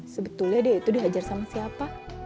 sebetulnya dia itu dihajar sama siapa